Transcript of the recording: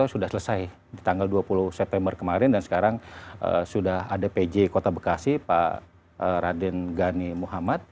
sudah selesai di tanggal dua puluh september kemarin dan sekarang sudah ada pj kota bekasi pak raden gani muhammad